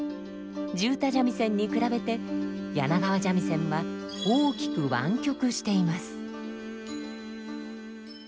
地唄三味線に比べて柳川三味線は大きく湾曲しています。